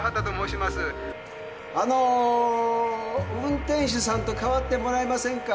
あのー運転手さんと代わってもらえませんか？